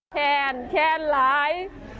แขนแขนหลาย